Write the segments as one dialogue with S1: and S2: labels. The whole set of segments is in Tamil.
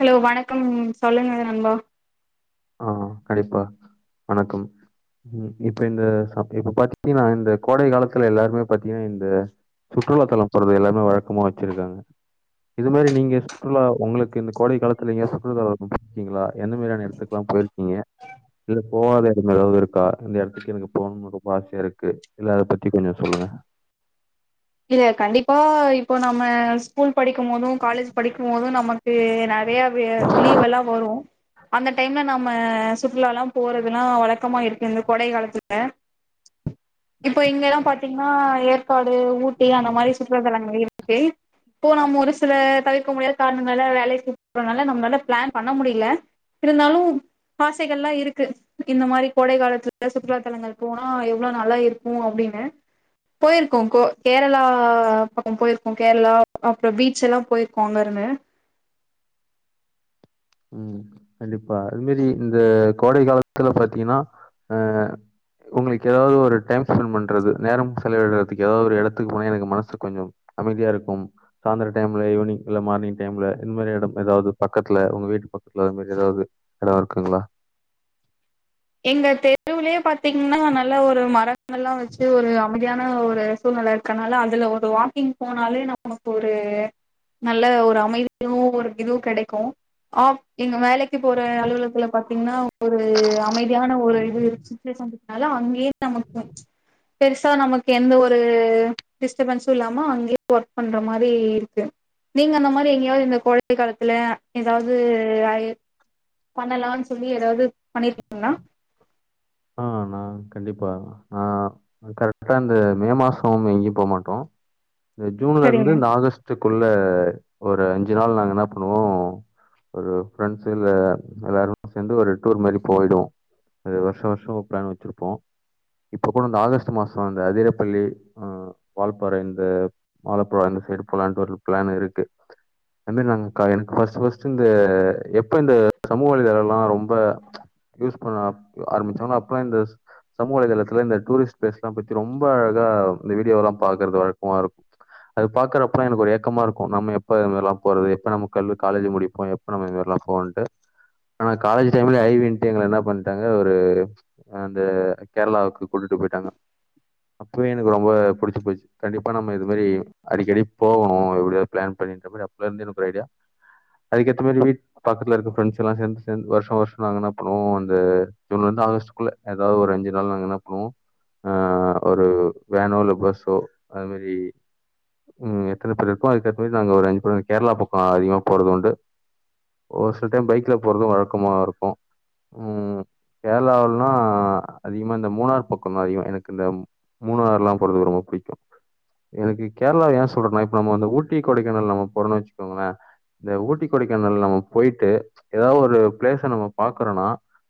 S1: ஹலோ வணக்கம் சொல்லுங்கது நண்பா
S2: ஆ கண்டிப்பா வணக்கம் இப்ப இந்த சம் இப்ப பாத்திங்னா இந்த கோடை காலத்துல எல்லாருமே பாத்திங்கனா இந்த சுற்றுலா தலம் போறது எல்லாமே வழக்கமா வச்சிருக்காங்க இது மாரி நீங்க சுற்றுலா ஒங்களுக்கு இந்த கோடை காலத்துல எங்கயா சுற்றுலா க்கிங்ளா எந்த மாரியான எடத்துக் லா பொயிர்க்கிங்க இல்ல போவாத எடம் ஏதாவ்து இருக்கா இந்த எடத்துக்கு எனக்கு போணுனு ரொம்ப ஆசையா இருக்கு இல்ல அத பத்தி கொஞ்சொ சொல்லுங்க
S1: இர கண்டிப்பா இப்பொ நம்ம ஸ்கூல் படிக்கும் போது காலேஜ் படிக்கும் போது நமக்கு ந டையாவிய லீவெல்லா வரு அந்த டைம்ல நம்ம சுற்றுலாலா போறதுனா வழக் கமா இருக்கு இந்த கொடை காலத்து ல இப்பொ இங்கலா பாத்திங்னா ஏற்காடு ஊட் டி அந்த மாரி சுற்றுலாத்தலங்கள் இருக்கு இப்போ நம்ம ஒரு சில தவிர்க்க முடியாத காரணங்களால வேலைக்கு போறனால நம்ளால பிளான் பண்ண முடியல இருந்தாலு ஆசைகள்லா இருக்கு இந்த மாரி கோடை காலத்துல சுற்றுலாத்தலங்கள் போனா எவ்ளோ நல்லா இருக்கு அப்டினு போயிர்க்கோ கோ கேரளா பக்கொ போயிர்க்கோ கேர்ளா அப்றொ பீச்செலா போயிர்க்கோ அங்கருனு
S2: ம் கண்டிப்பா அதுமேரி இந்த கோடை காலத்துல பாத்தீங்கன்னா அ உங்களுக்கு ஏதாவது ஒரு டைம் ஸ்பெண்ட் பண்றது நேரம் செலவிடுறதுக்கு ஏதாவது ஒரு இடத்துக்கு போனா எனக்கு மனசு கொஞ்சம் அமைதியா இருக்கும் சாயந்தர டைம்ல ஈவினிங் இல்ல மார்னிங் டைம்ல இந்த மாரி எடம் ஏதாவது பக்கத்துல உங்க வீட் டுக்கு பக்கத்துல இது மாரி ஏதாவது எடம் இருக்குங்களா
S1: எங்க தெருவுலயே பாத்தீங்கன்னா நல்ல ஒரு மர கள் லா எல்லா வச்சு ஒரு அமைதி மைதியான ஒரு சூழ்நில இருக்கனால அதுல ஒரு வாக்கிங் போனாலே நமக்கு ஒரு நல்ல ஒரு அமைதியு ஒரு இதுவு கெடைக்கு ஆப் எங்க வேலைக்கு போற அலுவலத்துல பாத்தீங்கன்னா ஒரு அமை மைதியான ஒரு இது சுச்சுவேஷன் இருக் அதனால அங்யே நமக்கு பெருசா நமக்கு எந்த ஒரு டிஸ்டர்பன்ஸும் இல்லாமோ அங்கயே ஒர்க் பண்ற மாரி இருக்கு நீங்க அந்த மாரி எங்கேயாவது இந்த கோடை காலத்துல ஏதாவது ஐ பண்ணலானு சொல்லி ஏதாவது பண்ணிருக்கி ங்ளா
S2: ஆ நா கண்டிப்பா ஆ கரெக்டா இந்த மே மாசம் எங்கயு போமாட்டோ இந்த ஜூன்லருந்து
S1: சரிங்க
S2: இந்த ஆகஸ்ட்டு குள்ள ஒரு அஞ்சு நாள் நாங்க என்ன பண்ணுவோ ஒரு பிரண்ட்ஸ் இல்ல எல்லாரு சேந்து ஒரு டூர் மாரி போய்டுவோ அது வருஷா வருஷ ஷோ பிளான் வச்சிருப்போ இப்ப கூட ஆகஸ்டு மாசம் இந்த அதிரப்பள்ளி ஆ வால்பாறை இந்த ஆழப்புளா இந்த சைடு போலான்ட்டு ஒரு பிளான் இருக்கு ஐ மீன் நாங்க க எனக்கு ஃபர்ஸ்ட் ஃபர்ஸ்ட் இந்த எப்ப இந்த சமூக வலைதள ல்லா ரொம்ப யூஸ் பண்ண ஆரம்பிச் சமூகவலைதளத்துல இந்த டூரிஸ்ட் பிளேஸ் எல்லா பத்தி ரொம்ப அழகா இந்த வீடியோல்லா பாக்குறது வழக்கமா இருக்கு அது பாக்குறப்ப எனக்கு ஒரு ஏக்கமா இருக்கு நம்ம எப்ப இந்த மாதிரி எல்லா போறது எப்ப நம்ம கல் காலேஜ் முடிப்போ எப்ப நம்ம இந்த மாதிரில்லா போவோன்ட்டு ஆனா காலேஜ் டைம்ல ஐவின்ட்டு எங்கள என்ன பண்ட்டாங்க ஒரு ஆ அந்த கேரளாவுக்கு கூட்டிட்டு போயிட்டாங்க அப்பவே எனக்கு ரொம்ப புடிச்சு போச்சு கண்டிப்பா நம்ம இது மாரி அடிக்கடி போவோ எப்டியாவது பிளான் பண்ணிட்டு அப்டி அப்பலருந்து எனக்கு ஒரு ஐடியா அதுக்கேத்த மாதி வீட் பக்கத்துல இருக்க ஃப்ரெண்ட்ஸ் எல்லா சேந்து சேந்து வருஷ வருஷோ நாங்க என்ன பண்ணுவோ அந்த ஜூன்ல இருந்து ஆகஸ்ட் குள்ள ஏதாது ஒரு அஞ்சு நாள் நாங்க என்ன பண்ணுவோ அ ஒரு வேனோ இல்ல பஸ்ஸோ அது மாரி ம் எத்தன பேரு இருக்கோ அதுக்கேத்த மாரி நாங்க ஒரு அஞ்சு பேரு கேரளா பக்கோ அதிகமா போறதுண்டு ஒரு சில டைம் பைக்ல போறது வழக்கமா இருக்கு ம் கேரளாவுள மா அதிகமா இந்த மூணார் பக்கோந்தா அதிகமா எனக்கு இந்த மூணார்லா போறது ரொம்ப பிடிக்கு எனக்கு கேரளா ஏ சொல்றேனா இப்ப நம்ம வந்து ஊட்டி கொடைக்கானல் நம்ம போறோனு வச்சுக்கோங்களே இந்த ஊட்டி கொடைக்கானல் நம்ம போயிட்டு ஏதாவது ஒரு பிளேஸ நம்ம பாக்கறோன்னா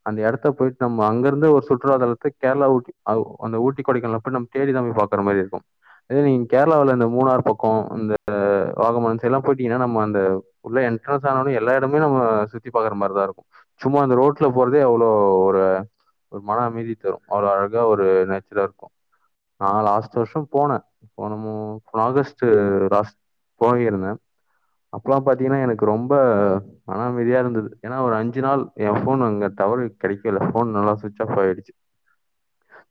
S2: அந்த எடத்த போயிட்டு நம் ம்ம அங்கருந்தே ஒரு சுற்றுலா தலத்த கேரளா ஊட்டி அவ் அந்த ஊட்டி கொடைக்கானல் போய் நம்ம தேடி தா போய் பாக்குற மாரி இருக்கு அதே நீங்க கேரளாவுல இந்த மூணார் பக்கோ இந்த வாகோ அந்த சைடுல போயிட்டீங்கன்னா நம்ம அந்த உள்ள என்ட்ரன்ஸ் ஆனோனே எல்லா இடமே நம்ம சுத்தி பாக்குற மாரிதா இருக்கு சும்மா அந்த ரோட்ல போறதே அவ்ளோ ஒரு ஒரு மன அமைதி தரு அவ்ளோ அழகா ஒரு நேச்சுரா இருக்கு நா லாஸ்ட் வருஷோ போன போன மு ஆகஸ்ட் லாஸ்ட் போகிருந்தே அப்பலா பாத்தீங்கன்னா எனக்கு ரொம்ப மன அமைதியா இருந்தது ஏனா ஒரு அஞ்சு நாள் ஏ ஃபோனு அங்க டவரு கெடைக்கல போன் நல்லா சுவிட்ச் ஆஃப் ஆயிடுச்சி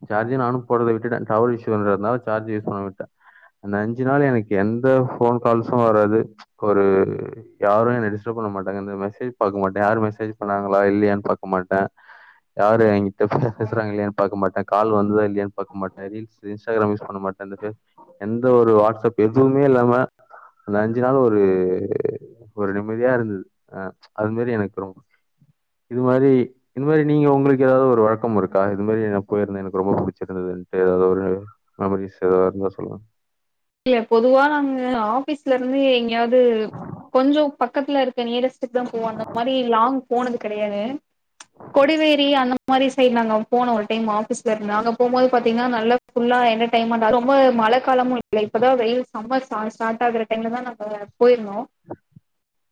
S2: சார்ஜி நானு போட்றத விட்டுட்டே டவர் இஷ்யூ இருந்ததுனால சார்ஜ் யூஸ் பண்ணாம விட்டுட்டே அந்த அஞ்சு நாள் எனக்கு எந்த போன் கால்ஸு வராது ஒரு யாரு என்ன டிஸ்டர்ப் பண்ண மாட்டாங்க இந்த மெசேஜ் பாக்க மாட்டே யாரு மெசேஜ் பண்ணாங்களா இல்லையானு பாக் போமாட்ட யாரு எங்கி ட்ட பேசுறாங்க இல்லயானு பாக்க மாட்ட கால் வந்துதா இல்லயான்னு பாக்க மாட்டே ரீல்ஸ் இன்ஸ்டாகிராம் யூஸ் பண்ண மாட்ட அந்த பேஸ் எந்த ஒரு வாட்ஸ்அப் எதுவுமே இல்லாம அந்த அஞ்சு நாள் ஒரு ஒரு நிம்மதியா இருந்தது ஆ அது மாரி எனக்கு ரொம்ப இது மாரி இது மாரி நீங்க உங் உங்களுக்கு ஏதாவது ஒரு வழக்கம் இருக்கா இது மாரி நா போயிருந்தே எனக்கு ரொம்ப பிடிச்சிருந்ததுன்ட்டு ஏதாவது ஒரு மெமரிஸ் ஏதாவது இருந்தா சொல்லுங்க
S1: இல்ல பொதுவா நாங்க ஆபீஸ்ல இருந்து எங்கயாவது கொஞ்சம் பக்கத்துல இருக்க நியரஸ் த்துக்குதா போவோ அந்த மாரி லாங் போனது கெடையாது கொடிவேரி அந்த மாரி சைடு நாங்க போனோ ஒரு டைம் ஆபீஸ்ல இருந்து நாங்க போம்போது பாத்தீங்கனா நல்லா ஃபுல்லா எண்டர்டெய்ன்மெண்டா ரொம்ப மழை காலமு இல்ல இப்பதா வெயில் சம்மர் ஸ்டா ஸ்டார்ட் ஆகுற டைம்ல தா நாங்க போயிருந்தோ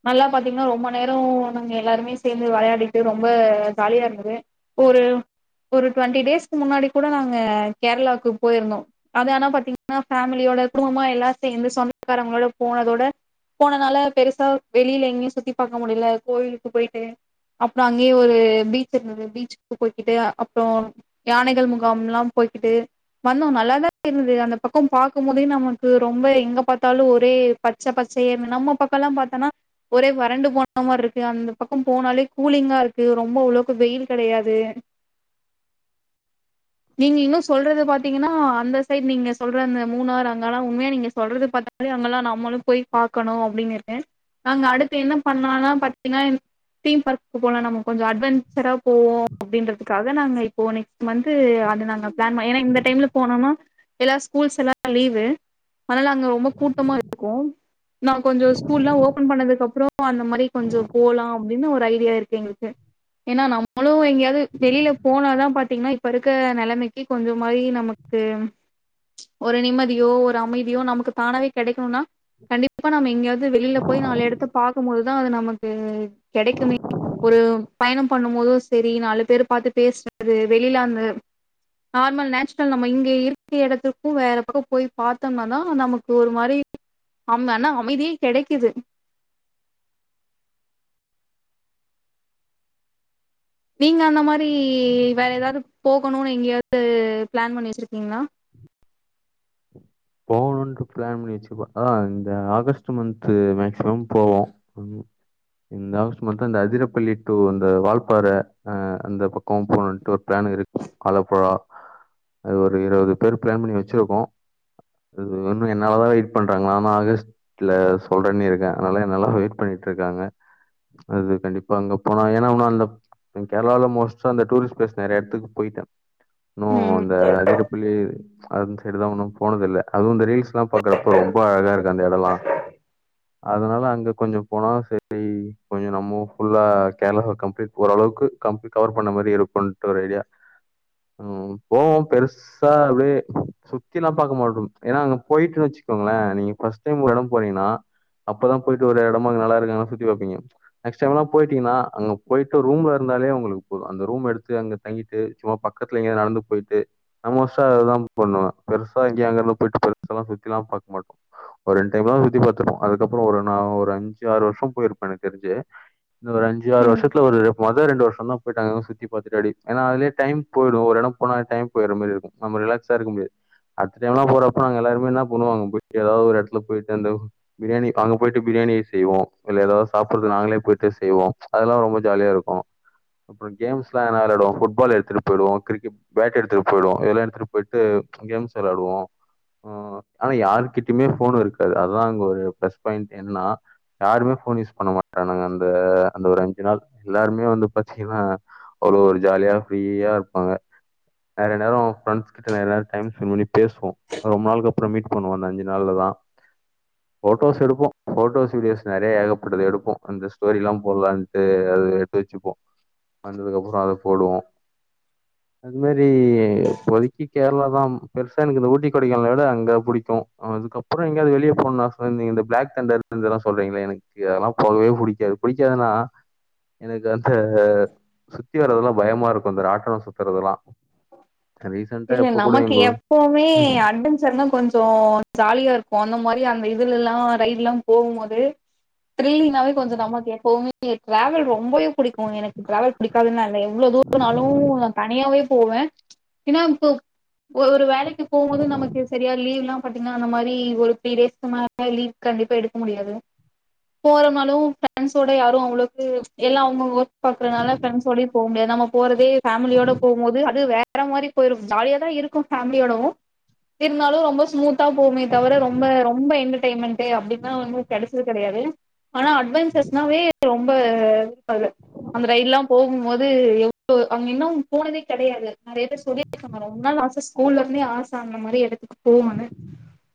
S1: நல்லா பாத்தீங்கன்னா ரொம்ப நேரோ நாங்க எல்லாருமே சேந்து வெளையாடிட்டு ரொம்ப ஜாலியா இருந்துது ஒரு ஒரு ட்வெண்ட்டி டேஸ்க்கு முன்னாடி கூட நாங்க கேரளாவுக்கு போயிருந்தோ அது ஆனா பாத்தீங்கன்னா ஃபேமிலியோட குடும்பமா எல்லா சேந்து சொந்தக்காரங்களோட போனதோட போனனால பெருசா வெளில எங்கயு சுத்தி பாக்க முடியல கோவிலுக்கு போயிட்டு அப்புறோ அங்கேயே ஒரு பீச் இருந்தது பீச்சுக்கு போய்கிட்டு அப்புறோ யானைகள் முகாம்லா போய்கிட்டு வந்தோ நல்லாதா இருந்தது அந்த பக் கோ பாக்கும்போதே நமக்கு ரொம்ப எங்க பாத்தாலு ஒரே பச்ச பச்சேர்னு நம்ம பக்கல்லா பாத்தோன்னா ஒரே வறண்டு போன மாரி இருக்கு அந்த பக்கோ போனாலே கூலிங்கா இருக்கு ரொம்ப அவ்ளோக்கு வெயில் கெடையாது நீங்க இன்னு சொல்றது பாத்தீங்கன்னா அந்த சைடு நீங்க சொல்ற அந்த மூணார் அங்கல்லா உண்மையா நீங்க சொல்றத பாத்தாலே அங்கல்லா நம்மளு போய் பாக்கணு அப்பிடின்னு நாங்க அடுத்து என்ன பண்ணலானா பாத்தீஙகனானா தீம் பார்க் போலா நம்ம கொஞ்சோ அட்வென்சரா போவோ அப்டின்றதுக்காக நாங்க இப்போ நெக்ஸ்ட் மந்து அந்த நாங்க ப்ளான் ப ஏனா இந்த டைம்ல போனோனா எல்லா ஸ்கூல்ஸ் எல்லா லீவு அத்னால அங்க ரொம்ப கூட்டமா இருக்கோ நா கொஞ்சோ ஸ்கூல்லா ஓபன் பண்ணதுக்கு அப்புறோ அந்த மாரி கொஞ்சோ போலா அப்டினு ஒரு ஐடியா இருக்கு எங்களுக்கு ஏனா நம்மளு எங்கயாவ்து வெளில போனாதா பாத்தீங்ன்னா இப்ப இருக்க நெலமைக்கு கொஞ்சு மாரி நமக்கு ச்ச ஒரு நிம்மதியோ ஒரு அமைதியோ நமக்கு தானவே கெடைக்கணுனா கண்டிப்பா நம்ம எங்கயாவ்து வெளில போய் நாலு எடத்த பாக் கும் போதுதா அது நமக்கு கெடைக்குமே ஒரு பயணம் பண்ணும் போது செரி நாலு பேர பாத்து பேசுறது வெளில அந்த நார்மல் நேச்ரல் நம்ம இங்க இருக் க எடத்துக்கோ வேற பக்கோ போய் பாத்தம்னா தா நமக்கு ஒரு மாரி அம ஆனா அமைதி கெடைக்குது நீங்க அந்த மாரி வேற எதாவ்து போகணுனு எங்கயாவ்து ப்ளான் பண்ணி வெச்சிருக்கீங்ளா
S2: போகணுன்டு ப்ளான் பண்ணி வெச்சுருக்கோ ஆனா இந்த ஆகஸ்ட்டு மந்த்து மேக்சிமம் போவோ ம் இந்த ஆகஸ்ட்டு மந்த்து அந்த அதிரப்பள்ளி டூ அந்த வால்பாற அ அந்த பக்கோ போணுன்ட்டு ஒரு ப்ளான் இருக் ஆலப்புழா அது ஒரு இருவது பேரு ப்ளான் பண்ணி வெச்சிருக்கோ அது ஒன்னு என்னால தா வெய்ட் பண்றாங்க நானு ஆகஸ்ட்ல சொல்றேன் இருக்கே அதனால என்னால வெய்ட் பண்ணிட் இருக்காங்க அது கண்டிப்பா அங்க போனா ஏன்னா ஒன்னு அந்த கேரளாவ்ல மோஸ்ட்டா அந்த டூரிஸ்ட் ப்ளேஸ் நெற எடத்துக் போய்ட்டே னோ
S1: ம்
S2: அந்த அதிரப்பள்ளி அந்த சைடுலா உன்னோ போனதில்ல அதுவு இந்த ரீல் ஸ்லா பாக்குறப்ப ரொம்ப அழகா இருக்கு அந்த எடலா அதனால அங்க கொஞ்சோ போனா செரி கொஞ்சோ நம்மோ ஃபுல்லா கேர்ளாவ கம்ப்ளீட் ஓரளவுக்கு கம்ப்ளீட் கவர் பண்ண மாரி இருக்கோன்டு ஒரு ஐடியா உம் போவோ பெருசா அப்டே சுத்திலா பாக்க மாட்டோ ஏனா அங்க போய்ட்டு வச்சுக்கோங்களே நீங்க ஃபஸ்ட் டைம் ஒரு எடோ போரீங்கன்னா அப்பதா போய்ட்டு ஒரு எடமா நல்லா இருக்க எடல அங்க சுத்தி பாப்பீங்க நெக்ஸ்ட் டைம்லா போயிட்டீங்கன்னா அ அங்க போய்ட்டு ரூம்ல இருந்தாலே உங்களுக் போது அந்த ரூம் எடுத்து அங்க தங்கிட்டு சும்மா பக்கத்துல எங்கயாது நடந்து போய்ட்டு நா மோஸ்டா அதுதா பண்ணுவே பெருசா இங்கே அங்கலா போய்ட்டு பக்கத்துலலா சுத்திலா பாக்க மாட்டோ ஒரு ரெண்டு டைம்லா சுத்தி பாத்திருப்போ அதுக்கப்புறோ ஒரு நா ஒரு அஞ்சு ஆறு வருஷோ போயிருப்பே எனக்கு தெரிஞ்சே இந்த ஒரு அஞ்சு ஆறு
S1: ம்
S2: வர்ஷத்துல ஒரு [unintelligible] டே ரெண்டு வருஷ தா போய்ட்டு அங்கங்க சுத்தி பாத்துட்டு அப்டி ஏனா அதிலியே டைம் போய்டு ஒரு எடோ போனா டைம் போய்டு நம்ப ரிலாக்ஸா இருக்க முடியாது அட்த்தது எங்கனா போறப் அப்புறோ நாங்க எல்லாருமே இன்னா பண்ணுவோ ஏதாவ்து ஒரு எட்த்ல போய்ட்டு அந்த உ பிரியாணி அங்க போய்ட்டு பிரியாணி செய்வோ இல்ல ஏதாது சாப்பிற்து நாங்ளே போய்ட்டு செய்வோ அதெல்லா ரொம்ப ஜாலியா இருக்கு அப்றோ கேம்ஸ் ல்லா எல்லாரு விளாடுவோ ஃபுட்பால் எட்த்துட்டு போய்டுவோ கிரிக்கெட் பேட் எடுத்துட்டு போய்டுவோ இதெல்லா எடுத்துட்டு போய்ட்டு ச்ச் கேம்ஸ் விளயாடுவோ ஆ ஆனா யாருகிட்ம்மே ஃபோனு இருக்காது அதுதா அங்க ஒரு ப்ளஸ் பாயிண்ட் என்னனா யாருமே ஃபோன் யூஸ் பண்ண மாட்டன்னுங்க அந்த அந்த ஒரு அஞ்சு நாள் எல்லாருமே வந்து பாத்தீங்ன்னா ஒரு ஒரு ஜாலியா ஃப்ரீயா இருப்பாங்க நெறய நேரோ ஃப்ரெண்ஸ் கிட்ட நெற நேரோ டைம் ஸ்பென் பண்ணி பேசுவோ ப்றோ மீட் பண்ணுவோ அந்த அஞ்சு நாள்லெல்லா ஃபோட்டோஸ் எடுப்போ ஃபோட்டோஸ் வீடியோஸ் நெறைய ஏகப்பட்டது எடுப்போ அந்த ஸ்டோரி எல்லா போட்லான்ட்டு அது எட்த்து வெச்சிப்போ வந்ததுக்கு அப்புறோ அத போடுவோ அது மாரி இ இப்போதிக்கி கேர்ள தா பெருசா எனக்கு இந்த ஊட்டி கொடைக்கானல விட அங்க புடிக்கு அதுக்கப்பறோ எங்யாது வெளியே போணுனா [unintelligible] இந்த ப்ளாக் தண்டர் இது எல்லா சொல்றீங்லே எனக்கு அதெல்லா போகவே புடிக்காது பிடிக்காதுன்னா எனக்கு அந்த ஆ சுத்தி வரதெல்லா பயமா இருக்கு இந்த ராட்னோ சுத்தறதுதெல்லா
S1: இல்ல நமக்கு எப்போவ்மே ஏ அட்வெஞ்சர்னா கொஞ்சோ ஜாலியா இருக்கு அந்த மாரி அங்க இரு அதுலெல்லா ரைட் ல்லா போகும் போது த்ரில்லிங்னாவே கெஞ்சோ நமக்கு எப்போமே ட்ராவல் ரொம்போவே புடிக்கு எனக்கு ட்ராவல் பிடிக்காதுன்னா இல்ல எவ்ளோ தூர நாளு நா தனியாவே போவே ச்ச் ஏன்னா இப்ப ஒரு வேலைக் போம்போது நமக்கு செரியா லீவ்ல்லா பாத்தீங்ன்னா அந்த மாரி ஒரு த்ரீ டேஸ்க்கு மேலே லீவ் கண்டிப்பா எடுக்க முடியாது போறம்னாலு ஃப்ரெண்ஸோட யாரு அவ்ளோக்கு ச்ச் எல்லா அவ்ங்கவ் ஒர்க் பாக்றனால ஃப்ரெண்ஸோட்யு போ முடியாது நம்ம போற து ஃபேமிலியோட போம்போது அது வே ற மாரி போய்ரு ஜாலியா தா இருக்கு ஃபேம்லியோடூ இருந்தாலு ரொம்ப ஸ்மூத் தா போவ்மே தவிர ரொம்ப ரொம்ப என்டர்டெய்ன்மெண்ட்டு அப்டின்னா வந்து கெடச்சது கெடயாது ஆனா அட்வென்சஸ் நாவே ரொ ரொம்ப அதுல அந்த ரயில்லா போகும் போது எவ்ளோ அவுங்க இன்னு போனதே கிடையாது நறைய பேர் சொல்லிருக்காங்க ரொம்ப நாள் ஆசிஸ் ஸ்கூல்ல இருந்தே ஆசங்கனு மாரி எடுத்துக்கோ போனே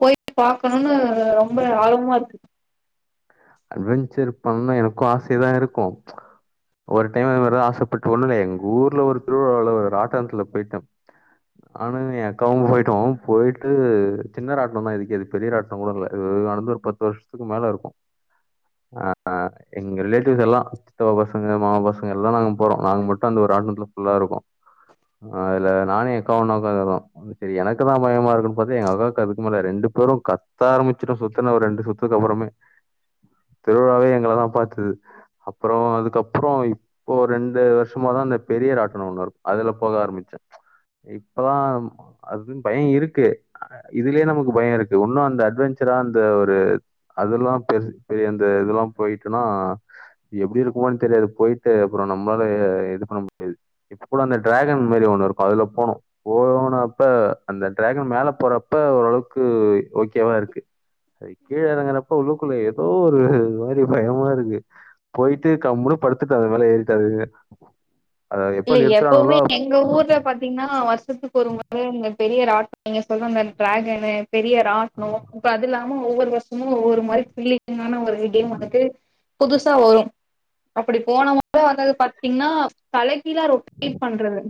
S1: போயிட் பாக்கணும்னு ரொம்ப ஆர்வமா இருக்கு
S2: அட்வெஞ்சர் பண்ண எனக்கோ ஆசையாதா இருக்கோ ஒரு டைம் அதுதா ஆசைப்பட்டோண்ணு வெய் எங்க ஊர்ல ஒரு திருவிழாவல ஒரு ராட்டனத்துல போயிட்ட நானும் என் அக்காவு போயிட்டோ போயிட்டு சின்ன ராட்டனம் தா இதுக்கு அது பெரிய ஆராட்டனோ கூட இல்ல இது நடந்து ஒரு பத்து வருஷத்துக்கு மேல இருக்கோ எங்க ரிலேட்டிவ்ஸ் எல்லா சித்தப்பா பசங்க மாமா பசங்க எல்லா நாங்க போறோ நாங்க மட்டும் அந்த ஒரு ராட்டனத்துல ஃபுல்லா இருக்கோ அதுல நானு எக்காவு ஒண்ணா ஒக்காந்து இருக்கோ சரி எனக்குதா பயமா இருக்குன்னு பாத்த எங்க அக்காவுக்கு அதுக்கு மேல ரெண்டு பேரும் கத்த ஆரம்பிச்சிட்டோ சுத்துன்ன ரெண்டு சுத்துக்கு அப்புறமே திருவிழாவே எங்களதா பாத்துது அப்புறோ அதுக்கப்புறோ இப்போ ரெண்டு வருஷமாதா அந்த பெரிய ராட்டனோ ஒண்ணு இருக் அதுல போக ஆரம்பிச்ச இப்பதா அது பயோ இருக்கு இதுலயே நமக்கு பயோ இருக்கு ஒன்னும் அந்த அட்வெஞ்சரா அந்த ஒரு அதுலா பெர்ஸ் இது எந்த இதுலா போய்ட்டுன்னா எப்டி இருக்குமோ தெரியாது போயிட்டு அப்புறோ நம்மளால எ இது பண்ண முடியாது இப்பக்கூட அந்த டிராகன் மேரியே ஒண்ணு இருக்கோ அதுல போனோ போனோனப்ப அந்த டிராகன் மேல போறப்ப ஓரளவுக்கு ஓகேவா இருக்கு அது கீழே இறங்குறப்ப உள்ளக்குள்ள எப் எதோ ஒரு மாரி பயமா இருக்கு போயிட்டு கம்முன்னு படுத்துட்ட அது மேல ஏறி தலகீழ
S1: இல்ல எப்பவுமே எங்க ஊர்ல பாத்தீங்கன்னா வருஷத்துக்கு ஒரு முறை எங்க பெரிய ராட்னம் நீங்க சொல்ற மாரி ட்ராகனு பெரிய ராட்னம் இப்ப அது இல்லாம நானோ ஒவ்வோர் வருஷமோ ஒவ்வோர் மாரி திரில்லிங்கான ஒரு கேம் வந்துட்டு புதுசா வரோ அப்டி போன மொற வந்தத பாத்தீங்கனா தலக் கீழா ரொட்டேட் பண்றது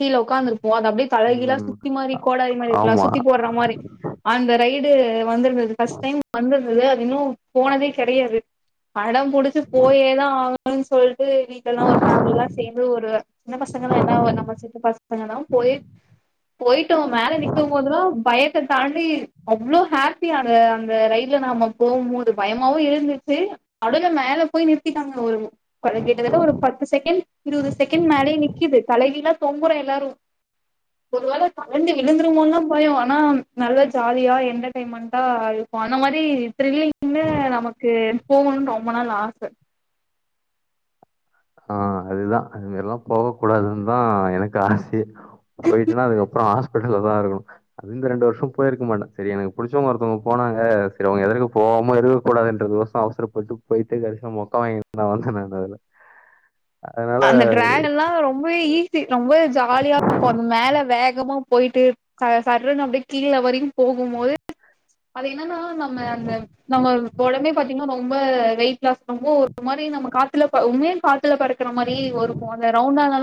S1: கீழ ஒக்காந்துரு ஓ அத அப்டியே தழகீழ
S2: ம்
S1: சுத்தி மாரி கோடரி மாரி இருக்குலா
S2: ஆமா
S1: சுத்தி போடுற மாரி அந்த ரயில் டு வந்திருந்தது ஃபஸ்ட் டைம் வந்திருந் அது இன்னு போனதே கெடையாது படம் புடிச்சு போயேதா ஆக னோ சொல் அப்டியே வீட்டெல்லா ஒரு ஃபேமிலியா ஓடுவே ஒரு சின்ன பசங்கா என்ன நம்ம சின்ன பசங்கலா போய் போயிட்டோ மேல நிக்கோ போதல்லா பய நேத்து தான் அப்டி அவ்ளோ ஹாப்பியா அந்த அந்த ரயில்ல நாம போமோது பயமாவு இருந்துச்சு அப்டியே அத மேல போய் நிறுத்திட்டாங்க ஒரு ஒருகிட்ட தட்ட ஒரு பத்து செகண்ட் இருபது செகண்ட் மேலேயே நி்க்கிது தல கீழா தொங்குறோ எல்லாரோ ஒருவேள கழண்டு விழுந்துருமோலா ய ஆனா நல்லா ஜாலியா என்டர்டெயன்மெண்டா இருக்கோ அந்த மாரி த்ரில்லிங்னு நமக்கு போகணும்னு ரொம்ப நாள் ஆச
S2: ஆ அதுதா அது எல்லா போக கூடாதுந்தா எனக்கு ஆசயே போயிட்டனா அதுக்கப்றோ ஆஸ் பிட்டலதா இருக்கனோ அதுந்து ரெண்டு வருஷோ போயிருக்க மாட்ட சரி எனக்கு புடிச்சவுங்க ஒருத்தவுங்க போனாங்க சரி அவுங்க எதுற்க போவாம இருக்க கூடாதுண்ட்றதுக்கோசோ அவசரப்பட்டு போயிட்டு கடைசில மொக்க வாங்கிட்டு தா வந்தேனா அதுல அதனால
S1: அந்த ட்ராகன்லா ரொம்ப ஈஸி ரொம்ப ஜாலியா இருக்கு அந்த மேல வேகமா போயிட்டு ச சர்ருன்னு அப்டியே கீழே வரைக்கு போகும்போது அதை என்னன்னா நம்ம அந்த நம்ம ஒடம்பே பாத்திங்னா நம்ப ரொம்ப வெயிட் லாஸ் பண்ணும்போ ஒரு மாரி நம்ம காத்துல உண்மயா காத்துல பறக்க ற மாரி இருக்கு அந்த ரவுண்டானாலா